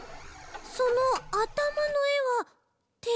そのあたまのえはて